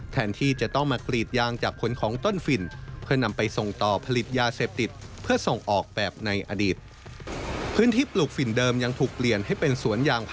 แถนที่จะต้องมากรีดยางจากขนของต้นฝิ่น